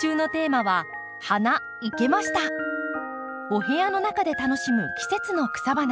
お部屋の中で楽しむ季節の草花